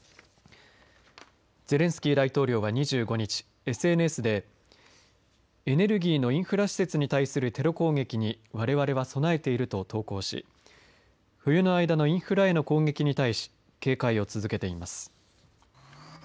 ゼレンスキー大統領は２５日ＳＮＳでエネルギーのインフラ施設に対するテロ攻撃にわれわれは備えていると投稿し冬の間のインフレへの攻撃に対し警戒を続けています。